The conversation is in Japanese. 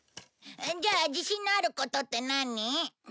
じゃあ自信のあることって何？